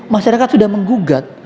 masyarakat sudah menggugat